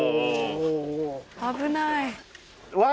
危ない